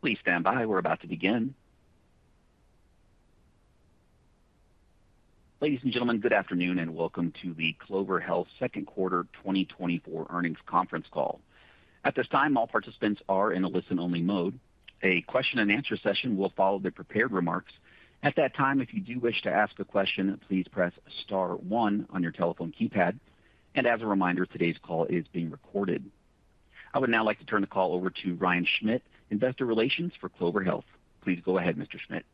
Please stand by. We're about to begin. Ladies and gentlemen, good afternoon and welcome to the Clover Health second quarter 2024 earnings conference call. At this time, all participants are in a listen-only mode. A question-and-answer session will follow the prepared remarks. At that time, if you do wish to ask a question, please press star one on your telephone keypad. As a reminder, today's call is being recorded. I would now like to turn the call over to Ryan Schmidt, Investor Relations for Clover Health. Please go ahead, Mr. Schmidt.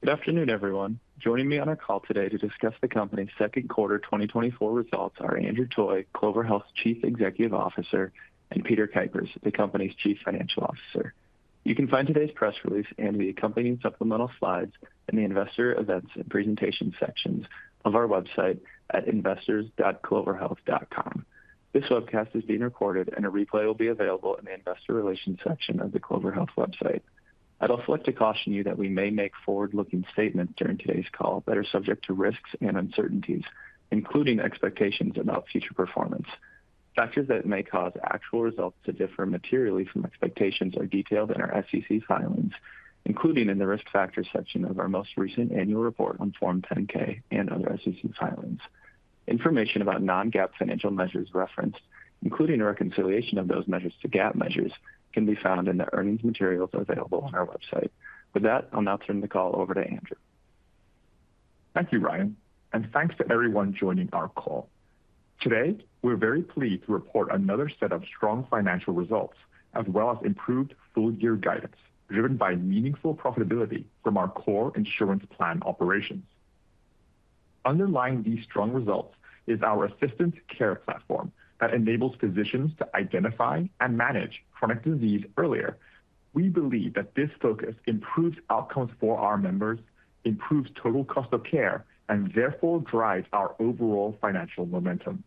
Good afternoon, everyone. Joining me on our call today to discuss the company's second quarter 2024 results are Andrew Toy, Clover Health's Chief Executive Officer, and Peter Kuipers, the company's Chief Financial Officer. You can find today's press release and the accompanying supplemental slides in the Investor Events and Presentations sections of our website at investors.cloverhealth.com. This webcast is being recorded, and a replay will be available in the Investor Relations section of the Clover Health website. I'd also like to caution you that we may make forward-looking statements during today's call that are subject to risks and uncertainties, including expectations about future performance. Factors that may cause actual results to differ materially from expectations are detailed in our SEC filings, including in the risk factors section of our most recent annual report on Form 10-K and other SEC filings. Information about non-GAAP financial measures referenced, including a reconciliation of those measures to GAAP measures, can be found in the earnings materials available on our website. With that, I'll now turn the call over to Andrew. Thank you, Ryan, and thanks to everyone joining our call. Today, we're very pleased to report another set of strong financial results, as well as improved full-year guidance driven by meaningful profitability from our core insurance plan operations. Underlying these strong results is our Assistant care platform that enables physicians to identify and manage chronic disease earlier. We believe that this focus improves outcomes for our members, improves total cost of care, and therefore drives our overall financial momentum.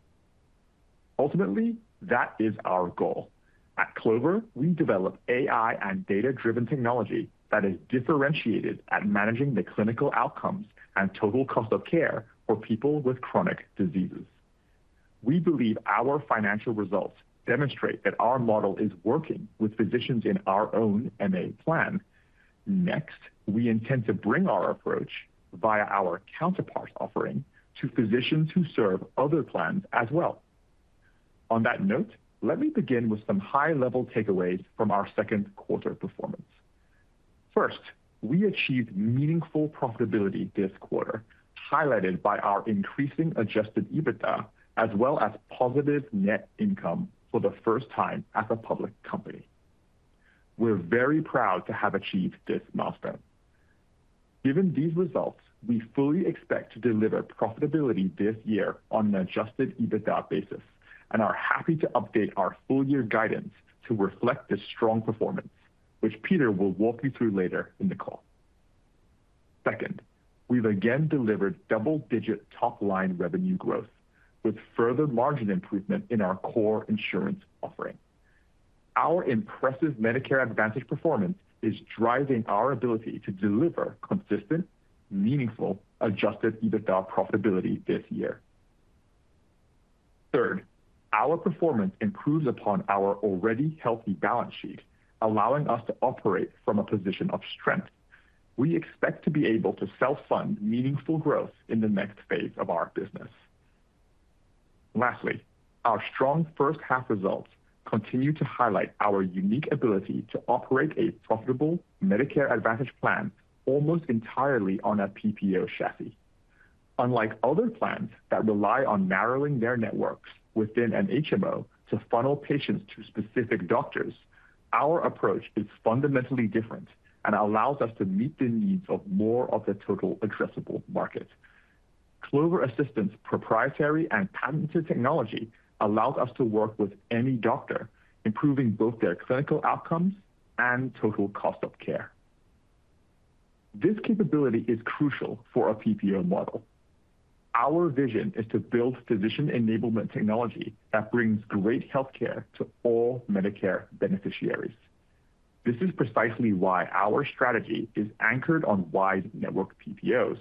Ultimately, that is our goal. At Clover, we develop AI and data-driven technology that is differentiated at managing the clinical outcomes and total cost of care for people with chronic diseases. We believe our financial results demonstrate that our model is working with physicians in our own MA plan. Next, we intend to bring our approach via our Counterpart offering to physicians who serve other plans as well. On that note, let me begin with some high-level takeaways from our second quarter performance. First, we achieved meaningful profitability this quarter, highlighted by our increasing Adjusted EBITDA, as well as positive net income for the first time as a public company. We're very proud to have achieved this milestone. Given these results, we fully expect to deliver profitability this year on an Adjusted EBITDA basis and are happy to update our full-year guidance to reflect this strong performance, which Peter will walk you through later in the call. Second, we've again delivered double-digit top-line revenue growth with further margin improvement in our core insurance offering. Our impressive Medicare Advantage performance is driving our ability to deliver consistent, meaningful Adjusted EBITDA profitability this year. Third, our performance improves upon our already healthy balance sheet, allowing us to operate from a position of strength. We expect to be able to self-fund meaningful growth in the next phase of our business. Lastly, our strong first-half results continue to highlight our unique ability to operate a profitable Medicare Advantage plan almost entirely on a PPO chassis. Unlike other plans that rely on narrowing their networks within an HMO to funnel patients to specific doctors, our approach is fundamentally different and allows us to meet the needs of more of the total addressable market. Clover Assistant's proprietary and patented technology allows us to work with any doctor, improving both their clinical outcomes and total cost of care. This capability is crucial for a PPO model. Our vision is to build physician-enablement technology that brings great healthcare to all Medicare beneficiaries. This is precisely why our strategy is anchored on wide-network PPOs.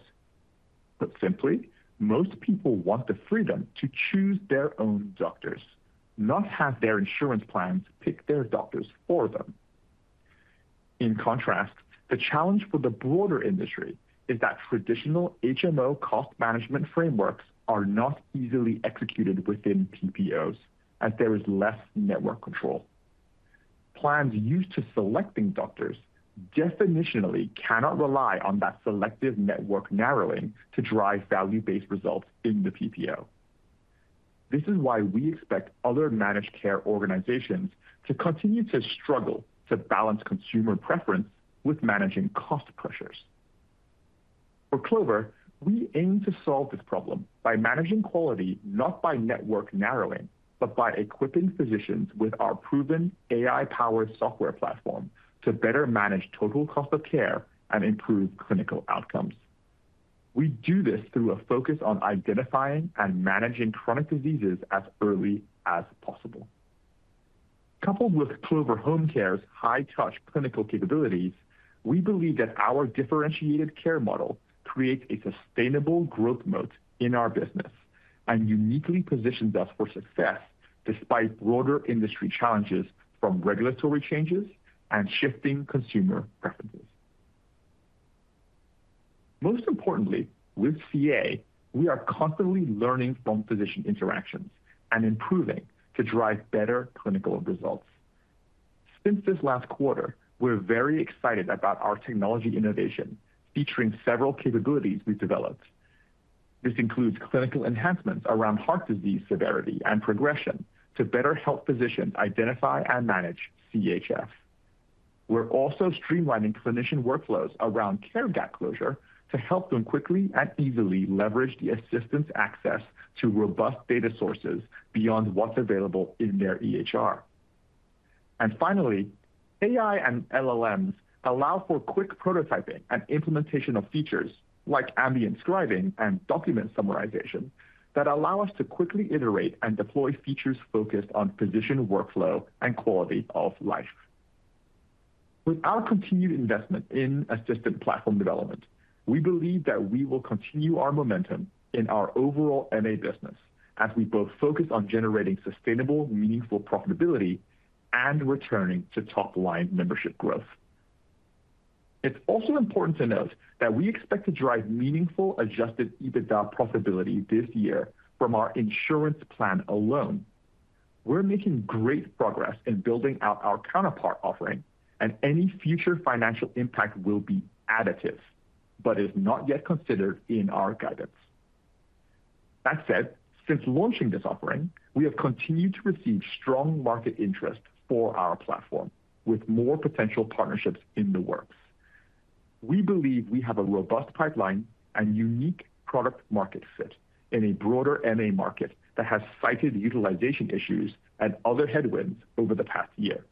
Put simply, most people want the freedom to choose their own doctors, not have their insurance plans pick their doctors for them. In contrast, the challenge for the broader industry is that traditional HMO cost management frameworks are not easily executed within PPOs, as there is less network control. Plans used to selecting doctors definitionally cannot rely on that selective network narrowing to drive value-based results in the PPO. This is why we expect other managed care organizations to continue to struggle to balance consumer preference with managing cost pressures. For Clover, we aim to solve this problem by managing quality not by network narrowing, but by equipping physicians with our proven AI-powered software platform to better manage total cost of care and improve clinical outcomes. We do this through a focus on identifying and managing chronic diseases as early as possible. Coupled with Clover Home Care's high-touch clinical capabilities, we believe that our differentiated care model creates a sustainable growth moat in our business and uniquely positions us for success despite broader industry challenges from regulatory changes and shifting consumer preferences. Most importantly, with CA, we are constantly learning from physician interactions and improving to drive better clinical results. Since this last quarter, we're very excited about our technology innovation featuring several capabilities we've developed. This includes clinical enhancements around heart disease severity and progression to better help physicians identify and manage CHF. We're also streamlining clinician workflows around care gap closure to help them quickly and easily leverage the assistance access to robust data sources beyond what's available in their EHR. And finally, AI and LLMs allow for quick prototyping and implementation of features like ambient scribing and document summarization that allow us to quickly iterate and deploy features focused on physician workflow and quality of life. With our continued investment in assistant platform development, we believe that we will continue our momentum in our overall MA business as we both focus on generating sustainable, meaningful profitability and returning to top-line membership growth. It's also important to note that we expect to drive meaningful Adjusted EBITDA profitability this year from our insurance plan alone. We're making great progress in building out our Counterpart offering, and any future financial impact will be additive, but is not yet considered in our guidance. That said, since launching this offering, we have continued to receive strong market interest for our platform, with more potential partnerships in the works. We believe we have a robust pipeline and unique product-market fit in a broader MA market that has cited utilization issues and other headwinds over the past year.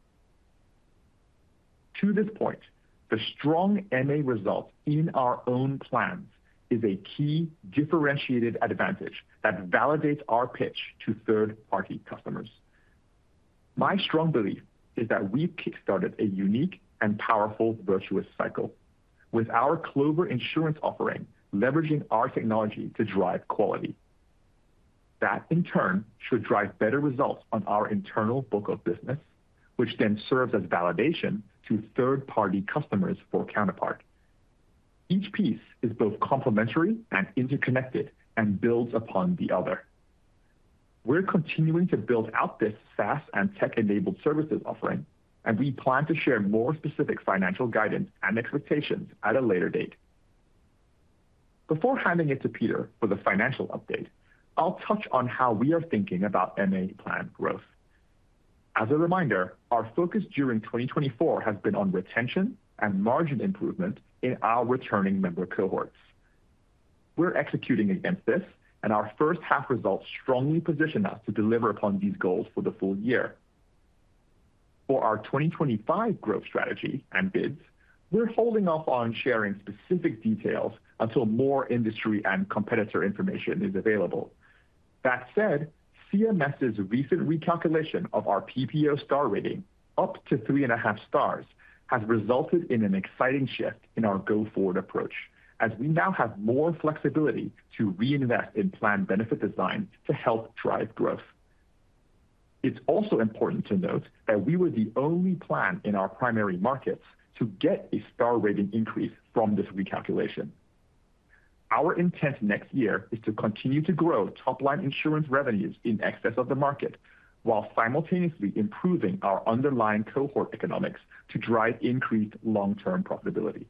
To this point, the strong MA result in our own plans is a key differentiated advantage that validates our pitch to third-party customers. My strong belief is that we've kickstarted a unique and powerful virtuous cycle, with our Clover Insurance offering leveraging our technology to drive quality. That, in turn, should drive better results on our internal book of business, which then serves as validation to third-party customers for Counterpart. Each piece is both complementary and interconnected and builds upon the other. We're continuing to build out this SaaS and tech-enabled services offering, and we plan to share more specific financial guidance and expectations at a later date. Before handing it to Peter for the financial update, I'll touch on how we are thinking about MA plan growth. As a reminder, our focus during 2024 has been on retention and margin improvement in our returning member cohorts. We're executing against this, and our first-half results strongly position us to deliver upon these goals for the full year. For our 2025 growth strategy and bids, we're holding off on sharing specific details until more industry and competitor information is available. That said, CMS's recent recalculation of our PPO star rating, up to 3.5 stars, has resulted in an exciting shift in our go-forward approach, as we now have more flexibility to reinvest in plan benefit design to help drive growth. It's also important to note that we were the only plan in our primary markets to get a star rating increase from this recalculation. Our intent next year is to continue to grow top-line insurance revenues in excess of the market, while simultaneously improving our underlying cohort economics to drive increased long-term profitability.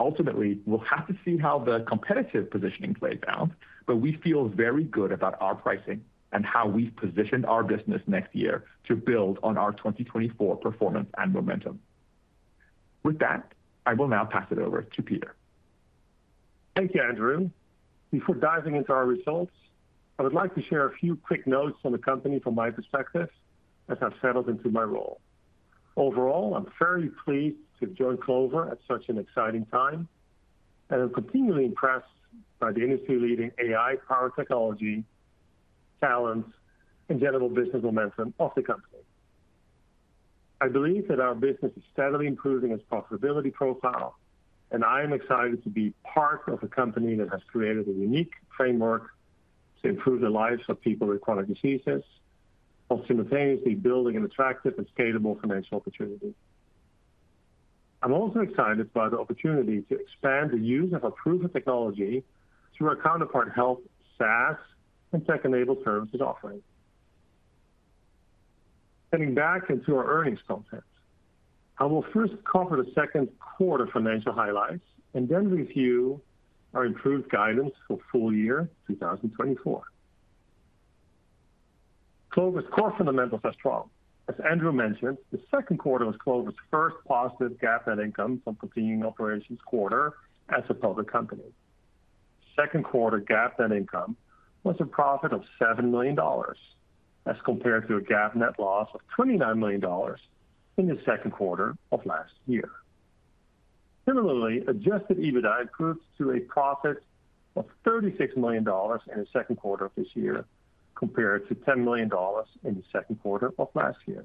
Ultimately, we'll have to see how the competitive positioning plays out, but we feel very good about our pricing and how we've positioned our business next year to build on our 2024 performance and momentum. With that, I will now pass it over to Peter. Thank you, Andrew. Before diving into our results, I would like to share a few quick notes on the company from my perspective as I've settled into my role. Overall, I'm very pleased to join Clover at such an exciting time, and I'm continually impressed by the industry-leading AI-powered technology, talent, and general business momentum of the company. I believe that our business is steadily improving its profitability profile, and I am excited to be part of a company that has created a unique framework to improve the lives of people with chronic diseases while simultaneously building an attractive and scalable financial opportunity. I'm also excited by the opportunity to expand the use of our proven technology through our Counterpart Health, SaaS, and tech-enabled services offering. Getting back into our earnings content, I will first cover the second quarter financial highlights and then review our improved guidance for full year 2024. Clover's core fundamentals are strong. As Andrew mentioned, the second quarter was Clover's first positive GAAP net income from continuing operations quarter as a public company. Second quarter GAAP net income was a profit of $7 million as compared to a GAAP net loss of $29 million in the second quarter of last year. Similarly, Adjusted EBITDA improved to a profit of $36 million in the second quarter of this year compared to $10 million in the second quarter of last year.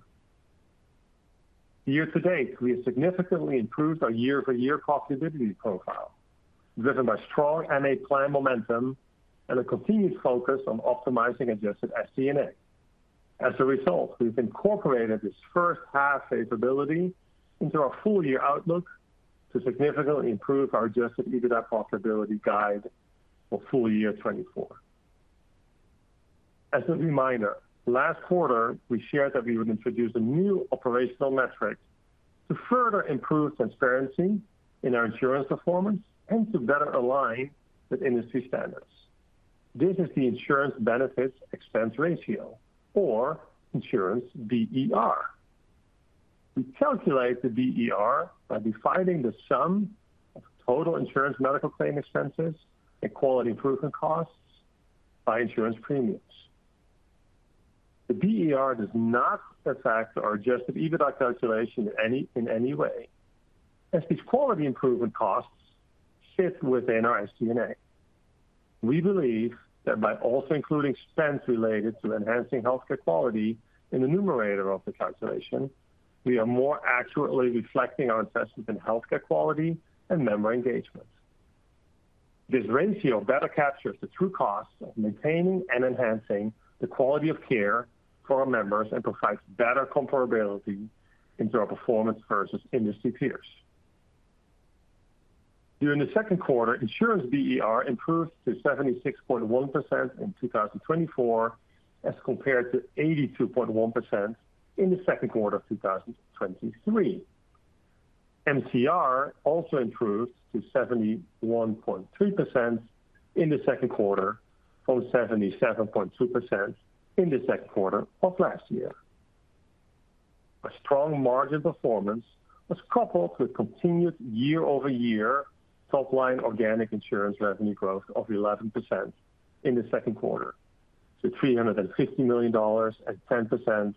Year to date, we have significantly improved our year-to-year profitability profile, driven by strong MA plan momentum and a continued focus on optimizing Adjusted SG&A. As a result, we've incorporated this first-half capability into our full-year outlook to significantly improve our Adjusted EBITDA profitability guide for full year 2024. As a reminder, last quarter, we shared that we would introduce a new operational metric to further improve transparency in our insurance performance and to better align with industry standards. This is the insurance benefits expense ratio, or insurance BER. We calculate the BER by defining the sum of total insurance medical claim expenses and quality improvement costs by insurance premiums. The BER does not affect our Adjusted EBITDA calculation in any way, as these quality improvement costs fit within our SG&A. We believe that by also including expense related to enhancing healthcare quality in the numerator of the calculation, we are more accurately reflecting our investment in healthcare quality and member engagement. This ratio better captures the true cost of maintaining and enhancing the quality of care for our members and provides better comparability into our performance versus industry peers. During the second quarter, insurance BER improved to 76.1% in 2024 as compared to 82.1% in the second quarter of 2023. MCR also improved to 71.3% in the second quarter from 77.2% in the second quarter of last year. A strong margin performance was coupled with continued year-over-year top-line organic insurance revenue growth of 11% in the second quarter to $350 million and 10%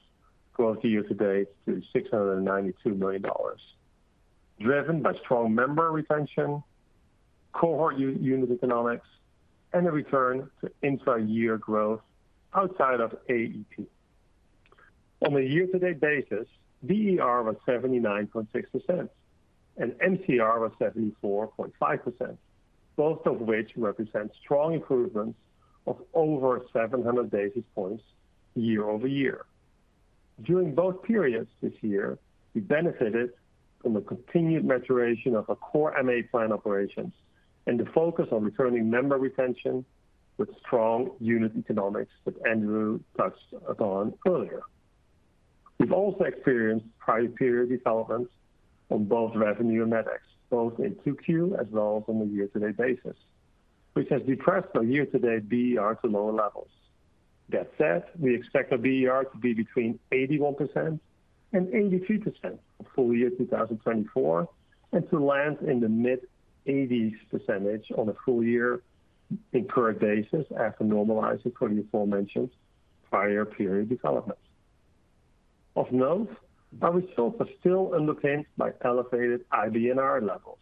growth year to date to $692 million, driven by strong member retention, cohort unit economics, and a return to intra-year growth outside of AEP. On a year-to-date basis, BER was 79.6%, and MCR was 74.5%, both of which represent strong improvements of over 700 basis points year-over-year. During both periods this year, we benefited from the continued maturation of our core MA plan operations and the focus on returning member retention with strong unit economics that Andrew touched upon earlier. We've also experienced prior period developments on both revenue and med-ex, both in Q2 as well as on a year-to-date basis, which has depressed our year-to-date BER to lower levels. That said, we expect our BER to be between 81% and 83% for full year 2024 and to land in the mid-80s% on a full year incurred basis after normalizing for the aforementioned prior period developments. Of note, our results are still underpinned by elevated IBNR levels.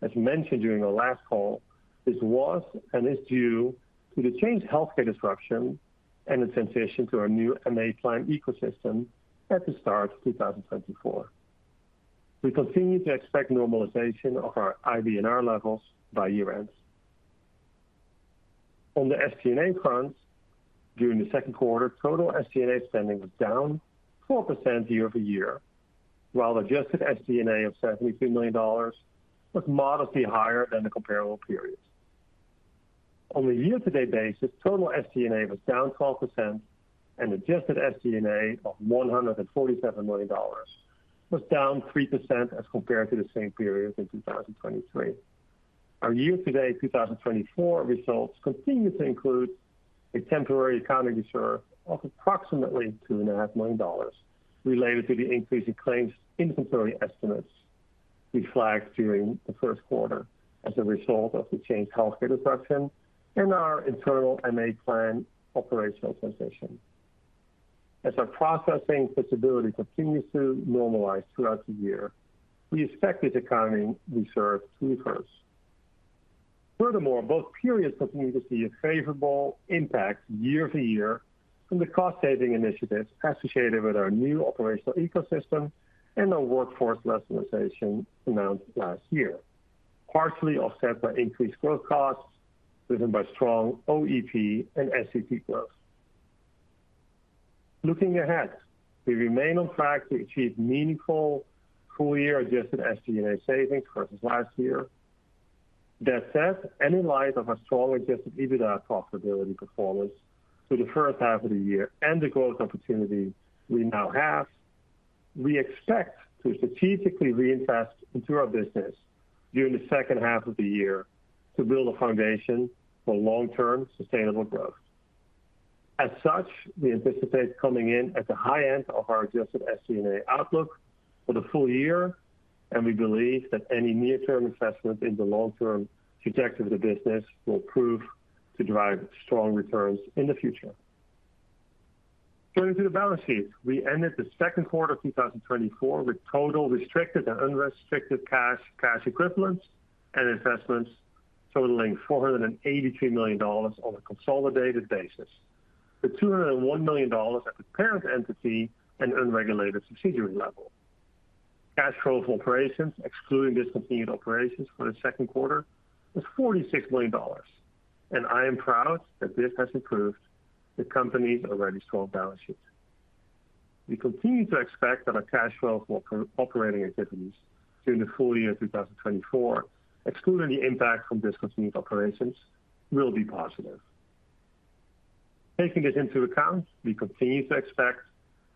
As mentioned during our last call, this was and is due to the Change Healthcare disruption and the transition to our new MA plan ecosystem at the start of 2024. We continue to expect normalization of our IBNR levels by year-end. On SG&A front, during the second quarter, total SG&A spending was down 4% year over year, while Adjusted SG&A of $72 million was modestly higher than the comparable period. On a year-to-date basis, total SG&A was down 12%, and adjusted SG&A of $147 million was down 3% as compared to the same period in 2023. Our year-to-date 2024 results continue to include a temporary accounting reserve of approximately $2.5 million related to the increase in claims inventory estimates we flagged during the first quarter as a result of the Change Healthcare disruption and our internal MA plan operational transition. As our processing flexibility continues to normalize throughout the year, we expect this accounting reserve to reverse. Furthermore, both periods continue to see a favorable impact year-to-year from the cost-saving initiatives associated with our new operational ecosystem and our workforce rationalization announced last year, partially offset by increased growth costs driven by strong OEP and SEP growth. Looking ahead, we remain on track to achieve meaningful full-year adjusted SG&A savings versus last year. That said, and in light of our strong Adjusted EBITDA profitability performance through the first half of the year and the growth opportunity we now have, we expect to strategically reinvest into our business during the second half of the year to build a foundation for long-term sustainable growth. As such, we anticipate coming in at the high end of our adjusted SG&A outlook for the full year, and we believe that any near-term investment in the long-term trajectory of the business will prove to drive strong returns in the future. Turning to the balance sheet, we ended the second quarter of 2024 with total restricted and unrestricted cash equivalents and investments totaling $483 million on a consolidated basis, with $201 million at the parent entity and unregulated subsidiary level. Cash flow from operations, excluding discontinued operations for the second quarter, was $46 million, and I am proud that this has improved the company's already strong balance sheet. We continue to expect that our cash flow from operating activities during the full year 2024, excluding the impact from discontinued operations, will be positive. Taking this into account, we continue to expect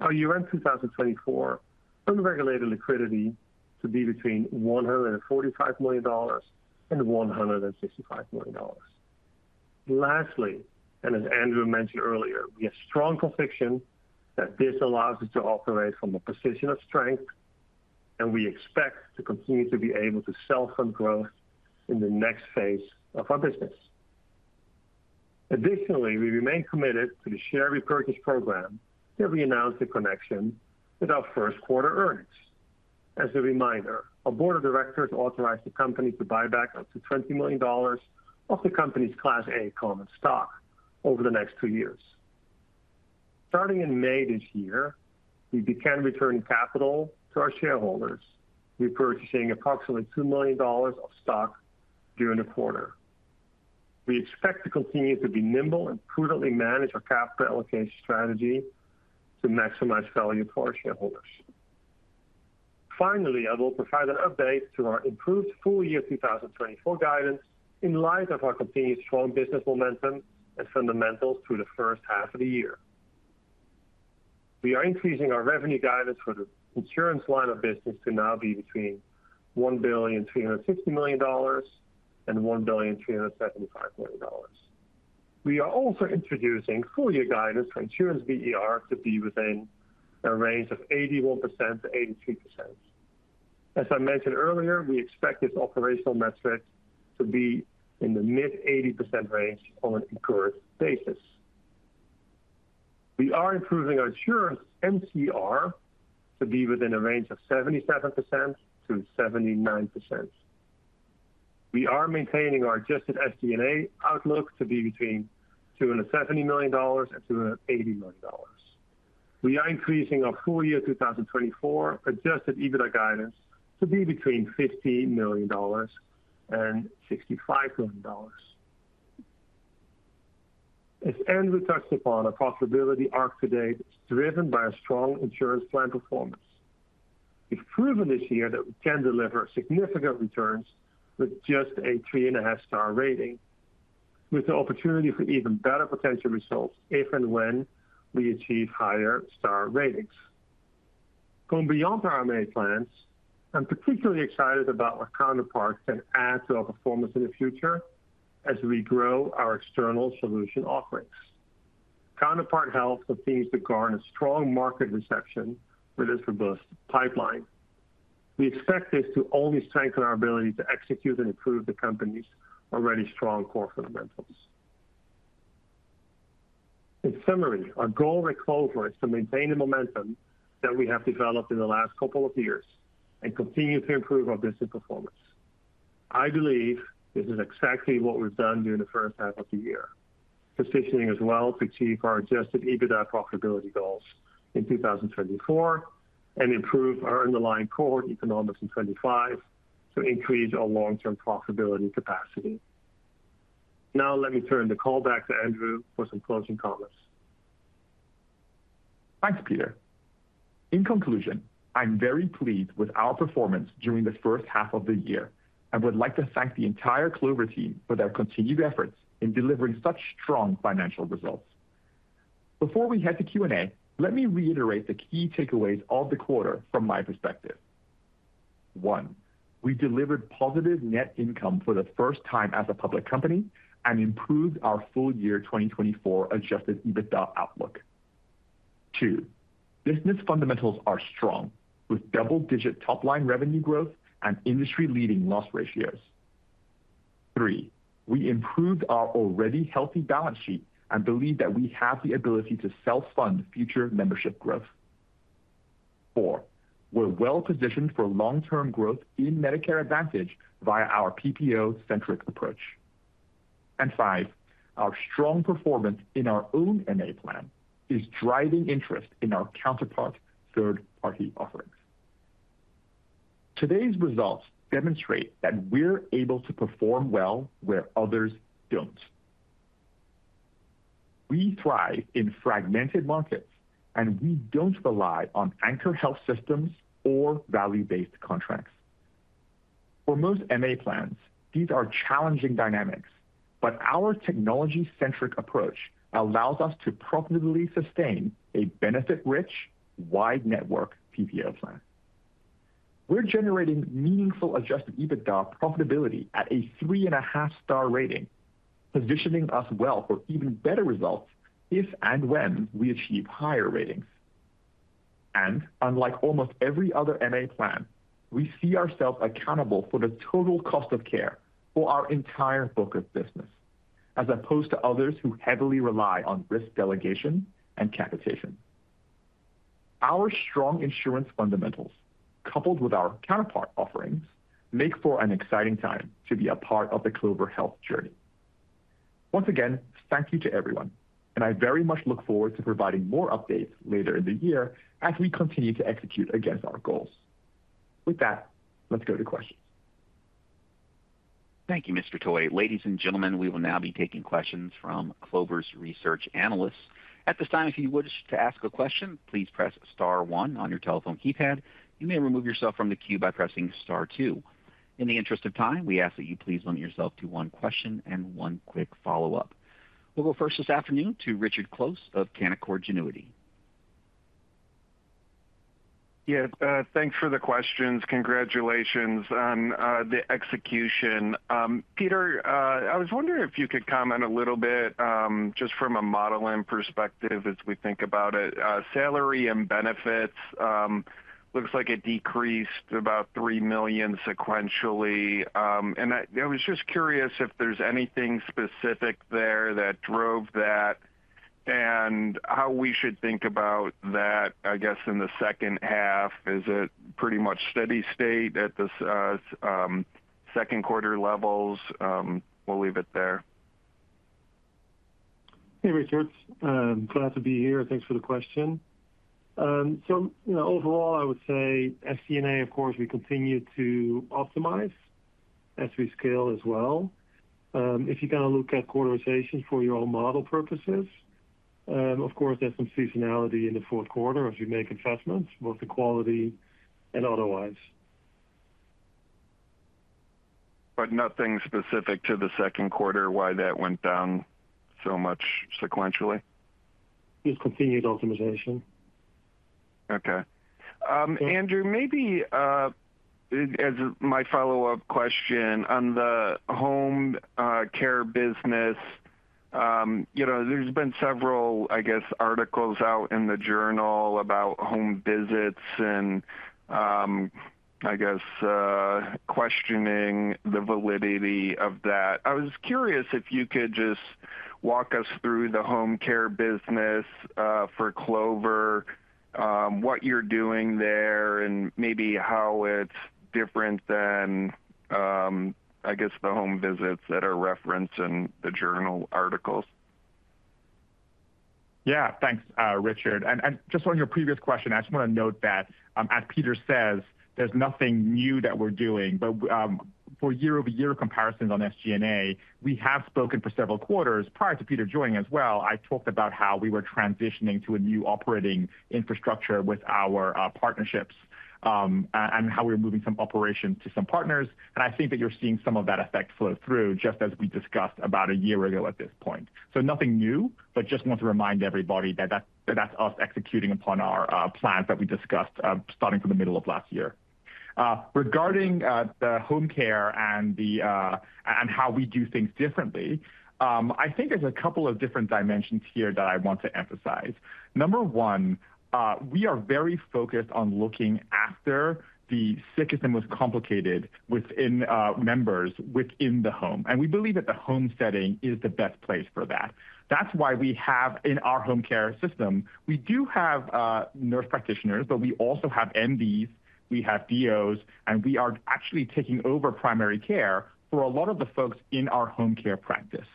our year-end 2024 unregulated liquidity to be between $145 million and $165 million. Lastly, and as Andrew mentioned earlier, we have strong conviction that this allows us to operate from a position of strength, and we expect to continue to be able to sell from growth in the next phase of our business. Additionally, we remain committed to the share repurchase program that we announced in connection with our first quarter earnings. As a reminder, our board of directors authorized the company to buy back up to $20 million of the company's Class A common stock over the next two years. Starting in May this year, we began returning capital to our shareholders, repurchasing approximately $2 million of stock during the quarter. We expect to continue to be nimble and prudently manage our capital allocation strategy to maximize value for our shareholders. Finally, I will provide an update to our improved full year 2024 guidance in light of our continued strong business momentum and fundamentals through the first half of the year. We are increasing our revenue guidance for the insurance line of business to now be between $1,360 million and $1,375 million. We are also introducing full year guidance for insurance BER to be within a range of 81%-83%. As I mentioned earlier, we expect this operational metric to be in the mid-80% range on an incurred basis. We are improving our insurance MCR to be within a range of 77%-79%. We are maintaining our Adjusted SG&A outlook to be between $270 million and $280 million. We are increasing our full year 2024 Adjusted EBITDA guidance to be between $50 million and $65 million. As Andrew touched upon, our profitability arc to date is driven by our strong insurance plan performance. We've proven this year that we can deliver significant returns with just a 3.5-star rating, with the opportunity for even better potential results if and when we achieve higher-star ratings. Going beyond our MA plans, I'm particularly excited about what Counterpart can add to our performance in the future as we grow our external solution offerings. Counterpart Health continues to garner strong market reception with its robust pipeline. We expect this to only strengthen our ability to execute and improve the company's already strong core fundamentals. In summary, our goal at Clover is to maintain the momentum that we have developed in the last couple of years and continue to improve our business performance. I believe this is exactly what we've done during the first half of the year, positioning as well to achieve our Adjusted EBITDA profitability goals in 2024 and improve our underlying cohort economics in 2025 to increase our long-term profitability capacity. Now, let me turn the call back to Andrew for some closing comments. Thanks, Peter. In conclusion, I'm very pleased with our performance during the first half of the year and would like to thank the entire Clover team for their continued efforts in delivering such strong financial results. Before we head to Q&A, let me reiterate the key takeaways of the quarter from my perspective. One, we delivered positive net income for the first time as a public company and improved our full year 2024 Adjusted EBITDA outlook. Two, business fundamentals are strong with double-digit top-line revenue growth and industry-leading loss ratios. Three, we improved our already healthy balance sheet and believe that we have the ability to self-fund future membership growth. Four, we're well-positioned for long-term growth in Medicare Advantage via our PPO-centric approach. And five, our strong performance in our own MA plan is driving interest in our counterpart third-party offerings. Today's results demonstrate that we're able to perform well where others don't. We thrive in fragmented markets, and we don't rely on anchor health systems or value-based contracts. For most MA plans, these are challenging dynamics, but our technology-centric approach allows us to profitably sustain a benefit-rich, wide-network PPO plan. We're generating meaningful Adjusted EBITDA profitability at a 3.5-star rating, positioning us well for even better results if and when we achieve higher ratings. Unlike almost every other MA plan, we see ourselves accountable for the total cost of care for our entire focus business, as opposed to others who heavily rely on risk delegation and capitation. Our strong insurance fundamentals, coupled with our counterpart offerings, make for an exciting time to be a part of the Clover Health journey. Once again, thank you to everyone, and I very much look forward to providing more updates later in the year as we continue to execute against our goals. With that, let's go to questions. Thank you, Mr. Toy. Ladies and gentlemen, we will now be taking questions from Clover's research analysts. At this time, if you wish to ask a question, please press star one on your telephone keypad. You may remove yourself from the queue by pressing star two. In the interest of time, we ask that you please limit yourself to one question and one quick follow-up. We'll go first this afternoon to Richard Close of Canaccord Genuity. Yeah, thanks for the questions. Congratulations on the execution. Peter, I was wondering if you could comment a little bit just from a modeling perspective as we think about it. Salary and benefits looks like it decreased about $3 million sequentially. And I was just curious if there's anything specific there that drove that and how we should think about that, I guess, in the second half. Is it pretty much steady state at the second quarter levels? We'll leave it there. Hey, Richard. Glad to be here. Thanks for the question. So overall, I would say SG&A, of course, we continue to optimize as we scale as well. If you kind of look at quarterization for your own model purposes, of course, there's some seasonality in the fourth quarter as we make investments, both in quality and otherwise. But nothing specific to the second quarter why that went down so much sequentially? Just continued optimization. Okay. Andrew, maybe as my follow-up question on the home care business, there's been several, I guess, articles out in the journal about home visits and, I guess, questioning the validity of that. I was curious if you could just walk us through the home care business for Clover, what you're doing there, and maybe how it's different than, I guess, the home visits that are referenced in the journal articles. Yeah, thanks, Richard. And just on your previous question, I just want to note that, as Peter says, there's nothing new that we're doing. But for year-over-year comparisons on SG&A, we have spoken for several quarters. Prior to Peter joining as well, I talked about how we were transitioning to a new operating infrastructure with our partnerships and how we were moving some operations to some partners. And I think that you're seeing some of that effect flow through just as we discussed about a year ago at this point. So nothing new, but just want to remind everybody that that's us executing upon our plans that we discussed starting from the middle of last year. Regarding the home care and how we do things differently, I think there's a couple of different dimensions here that I want to emphasize. Number one, we are very focused on looking after the sickest and most complicated members within the home. And we believe that the home setting is the best place for that. That's why we have, in our home care system, we do have nurse practitioners, but we also have MDs, we have DOs, and we are actually taking over primary care for a lot of the folks in our home care practice.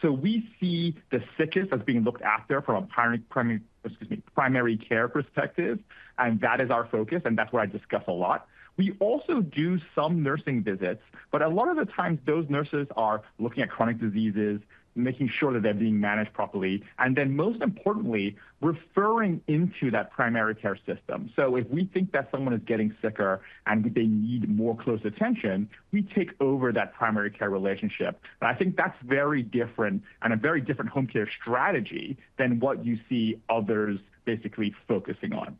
So we see the sickest as being looked after from a primary care perspective, and that is our focus, and that's what I discuss a lot. We also do some nursing visits, but a lot of the times those nurses are looking at chronic diseases, making sure that they're being managed properly, and then most importantly, referring into that primary care system. So if we think that someone is getting sicker and they need more close attention, we take over that primary care relationship. But I think that's very different and a very different home care strategy than what you see others basically focusing on.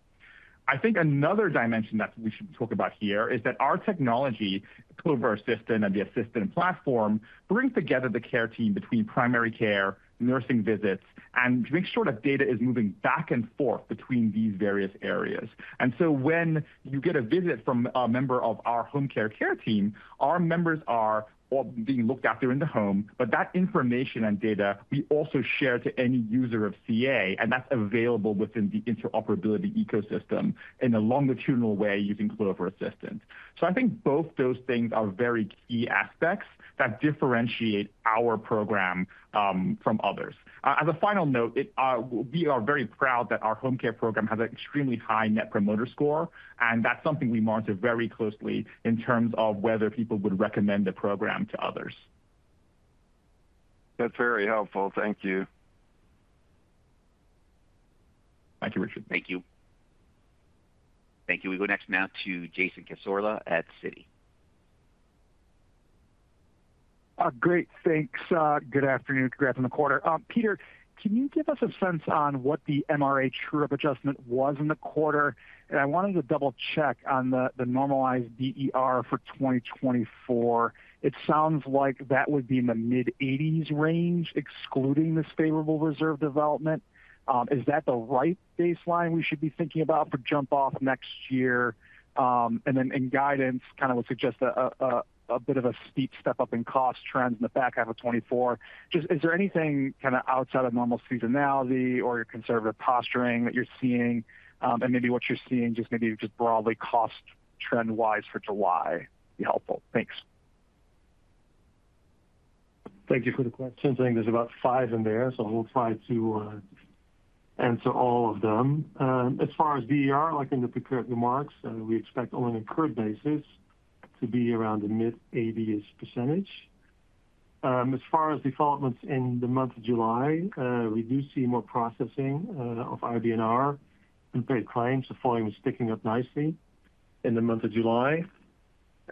I think another dimension that we should talk about here is that our technology, Clover Assistant and the Assistant platform, brings together the care team between primary care, nursing visits, and makes sure that data is moving back and forth between these various areas. And so when you get a visit from a member of our home care care team, our members are being looked after in the home, but that information and data we also share to any user of CA, and that's available within the interoperability ecosystem in a longitudinal way using Clover Assistant. So I think both those things are very key aspects that differentiate our program from others. As a final note, we are very proud that our home care program has an extremely high net promoter score, and that's something we monitor very closely in terms of whether people would recommend the program to others. That's very helpful. Thank you. Thank you, Richard. Thank you. Thank you. We go next now to Jason Cassorla at Citi. Great. Thanks. Good afternoon. Congrats on the quarter. Peter, can you give us a sense on what the MRA true-up adjustment was in the quarter? And I wanted to double-check on the normalized BER for 2024. It sounds like that would be in the mid-80s range, excluding this favorable reserve development. Is that the right baseline we should be thinking about for jump-off next year? And then in guidance, kind of would suggest a bit of a steep step up in cost trends in the back half of 2024. Is there anything kind of outside of normal seasonality or your conservative posturing that you're seeing? And maybe what you're seeing, just maybe just broadly cost trend-wise for July would be helpful. Thanks. Thank you for the question. I think there's about five in there, so we'll try to answer all of them. As far as BER, like in the pre-current remarks, we expect on an incurred basis to be around the mid-80s%. As far as developments in the month of July, we do see more processing of IBNR and paid claims. The volume is picking up nicely in the month of July.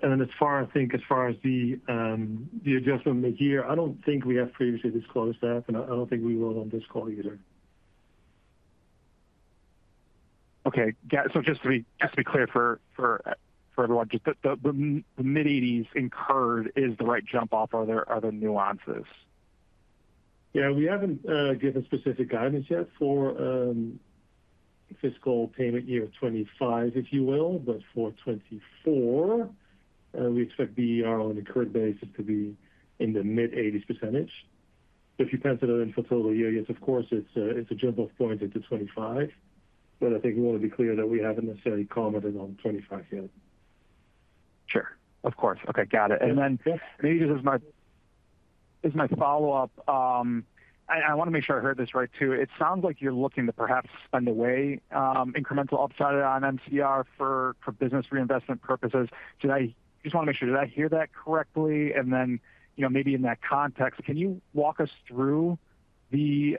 And then as far as I think as far as the adjustment mid-year, I don't think we have previously disclosed that, and I don't think we will on this call either. Okay. So just to be clear for everyone, just the mid-80s% incurred is the right jump-off. Are there nuances? Yeah, we haven't given specific guidance yet for fiscal payment year 2025, if you will, but for 2024, we expect BER on an incurred basis to be in the mid-80s%. So if you pencil it in for total year yet, of course, it's a jump-off point into 2025, but I think we want to be clear that we haven't necessarily commented on 2025 yet. Sure. Of course. Okay. Got it. And then maybe just as my follow-up, I want to make sure I heard this right too. It sounds like you're looking to perhaps spend away incremental upside on MCR for business reinvestment purposes. I just want to make sure. Did I hear that correctly? And then maybe in that context, can you walk us through the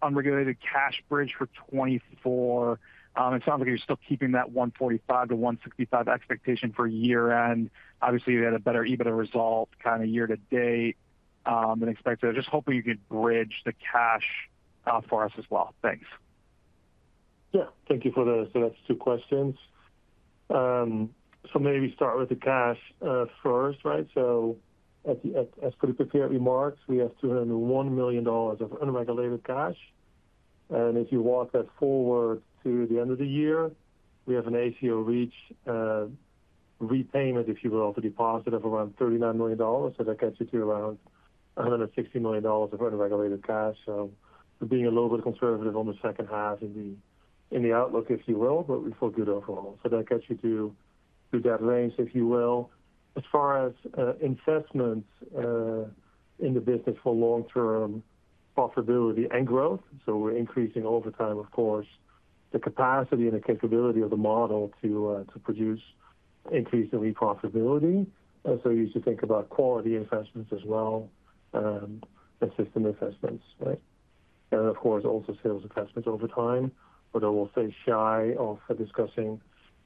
unregulated cash bridge for 2024? It sounds like you're still keeping that $145-$165 expectation for year-end. Obviously, you had a better EBITDA result kind of year to date than expected. Just hoping you could bridge the cash for us as well. Thanks. Yeah. Thank you for the two questions. So maybe start with the cash first, right? So as for the preliminary remarks, we have $201 million of unregulated cash. And if you walk that forward to the end of the year, we have an ACO REACH repayment, if you will, of the deposit of around $39 million. So that gets you to around $160 million of unregulated cash. So we're being a little bit conservative on the second half in the outlook, if you will, but we feel good overall. So that gets you to that range, if you will. As far as investment in the business for long-term profitability and growth, so we're increasing over time, of course, the capacity and the capability of the model to produce increasing profitability. So you should think about quality investments as well as system investments, right? And then, of course, also sales investments over time, but I will stay shy of discussing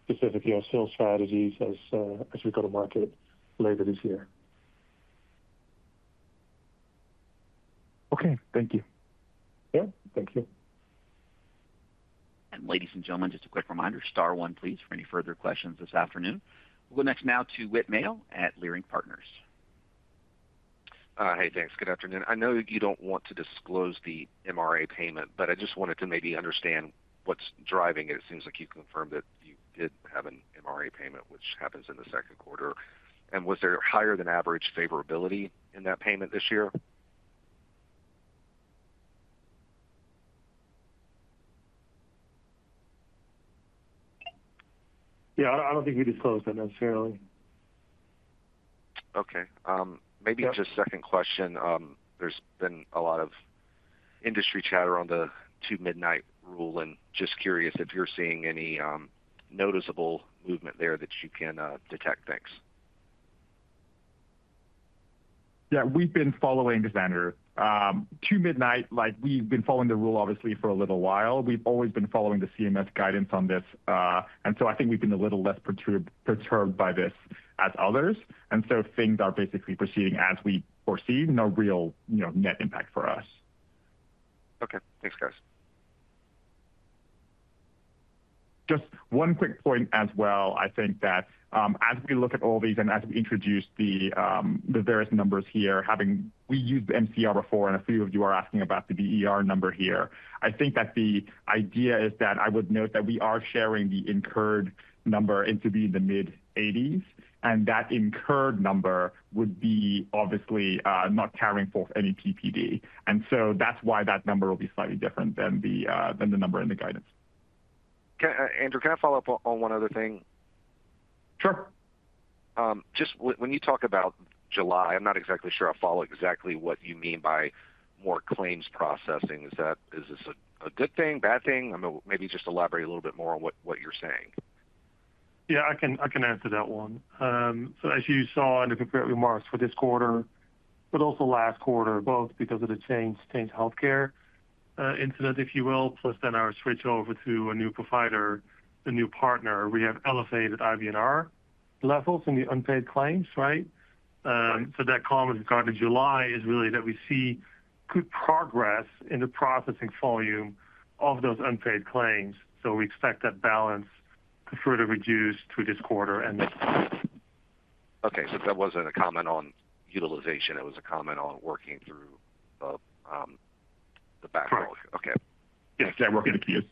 specific sales strategies as we go to market later this year. Okay. Thank you. Yeah. Thank you. And ladies and gentlemen, just a quick reminder, star one, please, for any further questions this afternoon. We'll go next now to Whit Mayo at Leerink Partners. Hey, thanks. Good afternoon. I know you don't want to disclose the MRA payment, but I just wanted to maybe understand what's driving it. It seems like you confirmed that you did have an MRA payment, which happens in the second quarter. And was there higher-than-average favorability in that payment this year? Yeah, I don't think we disclosed that necessarily. Okay. Maybe just second question. There's been a lot of industry chatter on the Two-Midnight Rule, and just curious if you're seeing any noticeable movement there that you can detect. Thanks. Yeah, we've been following the standard. Two-Midnight, we've been following the rule, obviously, for a little while. We've always been following the CMS guidance on this. I think we've been a little less perturbed by this as others. Things are basically proceeding as we foresee. No real net impact for us. Okay. Thanks, guys. Just one quick point as well. I think that as we look at all these and as we introduce the various numbers here, have we used the MCR before, and a few of you are asking about the BER number here, I think that the idea is that I would note that we are sharing the incurred number into the mid-80s, and that incurred number would be obviously not carrying forth any PPD. That's why that number will be slightly different than the number in the guidance. Andrew, can I follow up on one other thing? Sure. Just when you talk about July, I'm not exactly sure I follow exactly what you mean by more claims processing. Is this a good thing, bad thing? Maybe just elaborate a little bit more on what you're saying. Yeah, I can answer that one. So as you saw in the prepared remarks for this quarter, but also last quarter, both because of the Change Healthcare incident, if you will, plus then our switch over to a new provider, a new partner, we have elevated IBNR levels in the unpaid claims, right? So that comment regarding July is really that we see good progress in the processing volume of those unpaid claims. So we expect that balance to further reduce through this quarter and next quarter. Okay. So that wasn't a comment on utilization. It was a comment on working through the backlog. Correct. Okay. Yes, yeah, working the keys.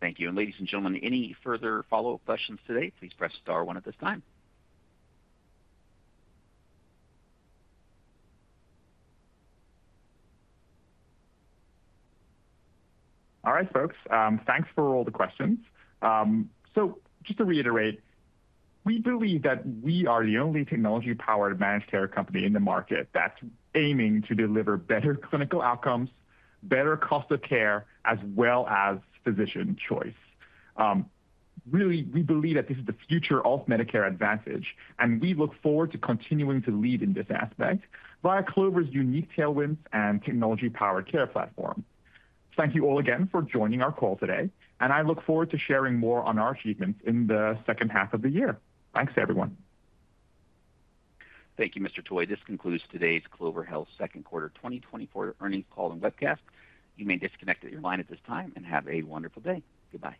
Thank you. And ladies and gentlemen, any further follow-up questions today? Please press star one at this time. All right, folks. Thanks for all the questions. So just to reiterate, we believe that we are the only technology-powered managed care company in the market that's aiming to deliver better clinical outcomes, better cost of care, as well as physician choice. Really, we believe that this is the future of Medicare Advantage, and we look forward to continuing to lead in this aspect via Clover's unique tailwinds and technology-powered care platform. Thank you all again for joining our call today, and I look forward to sharing more on our achievements in the second half of the year. Thanks, everyone. Thank you, Mr. Toy. This concludes today's Clover Health second quarter 2024 earnings call and webcast. You may disconnect at your line at this time and have a wonderful day. Goodbye.